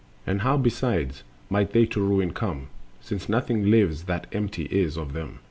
And how, besides, might they to ruin come, Since nothing lives that empty is of them?